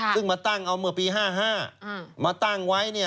ซึ่งมาตั้งเอาเมื่อปี๕๕มาตั้งไว้